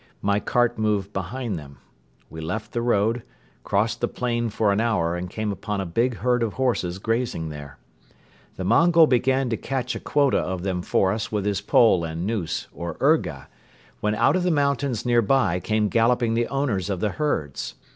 My cart moved behind them. We left the road, crossed the plain for an hour and came upon a big herd of horses grazing there. The Mongol began to catch a quota of them for us with his pole and noose or urga, when out of the mountains nearby came galloping the owners of the herds.